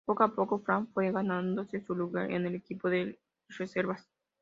Poco a poco, Frank fue ganándose su lugar en el equipo de reservas.